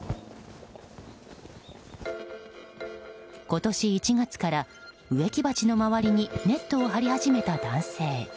今年１月から植木鉢の周りにネットを張り始めた男性。